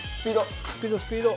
スピード！